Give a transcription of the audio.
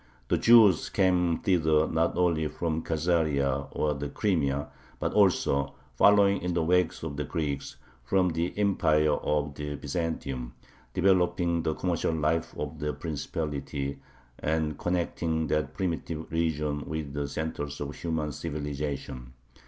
The Jews came thither not only from Khazaria, or the Crimea, but also, following in the wake of the Greeks, from the Empire of Byzantium, developing the commercial life of the principality and connecting that primitive region with the centers of human civilization.